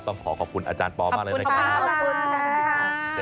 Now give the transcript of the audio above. ต้องขอขอบคุณอาจารย์ปอดมากเลยนะคะขอบคุณค่ะค่ะค่ะขอบคุณค่ะ